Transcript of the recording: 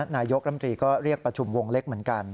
นายกรมตรีก็เรียกประชุมวงเล็กเหมือนกัน